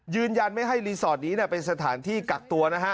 ยืนยันไม่ให้รีสอร์ทนี้เป็นสถานที่กักตัวนะฮะ